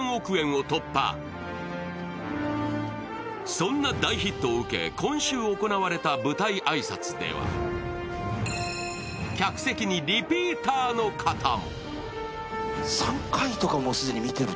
そんな大ヒットを受け、今週行われた舞台挨拶では客席にリピーターの方も。